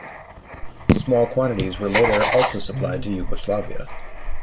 Small quantities were later also supplied to Yugoslavia.